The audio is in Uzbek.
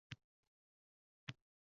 Ularning hakamlariga yuragim achiydi.